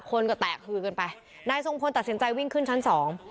คนก็แตกคือกันไปนายทรงพลตัดสินใจวิ่งขึ้นชั้นสอง